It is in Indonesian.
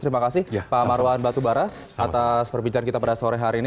terima kasih pak marwan batubara atas perbincangan kita pada sore hari ini